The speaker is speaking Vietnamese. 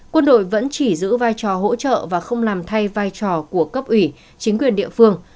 quân đội vẫn chỉ giữ vai trò hỗ trợ và không làm thay vai trò của cấp ủy chính quyền địa phương